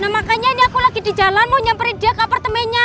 makanya ini aku lagi di jalan mau nyamperin dia ke apartemennya